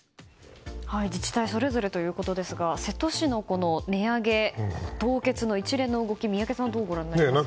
自治体それぞれということですが瀬戸市の値上げ凍結の一連の動き宮家さんはどうご覧になりますか？